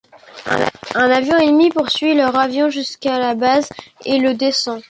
Un avion ennemi poursuit leur avion jusqu'à la base et le descend.